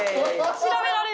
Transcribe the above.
調べられる？